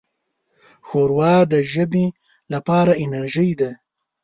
ښوروا د ژمي لپاره انرجۍ ده.